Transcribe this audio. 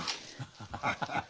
ハハハハ。